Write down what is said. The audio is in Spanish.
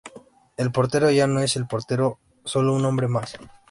El portero ya no es "El Portero", solo un hombre más.